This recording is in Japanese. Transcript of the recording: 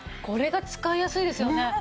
これが使いやすいですよね。